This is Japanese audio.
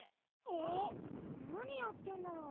なにやってんだろう？